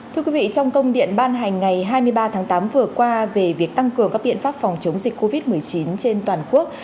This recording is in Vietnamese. thưa quý vị trong công điện ban hành ngày hai mươi ba tháng tám vừa qua về việc tăng cường các biện pháp phòng chống dịch covid một mươi chín trên toàn quốc